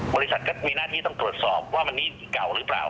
บริษัทก็มีหน้าที่ต้องตรวจสอบว่ามันนี่เก่าหรือเปล่า